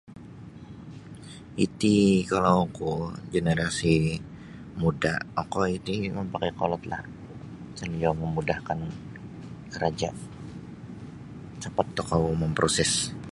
Iti kalau oku generasi muda okoi ti mapakai kolod lah pasal iyo mamudahkan karaja capat tokou mamproses.